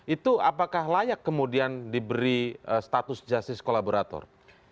itu apakah layak kemudian diberi status justice kolaborator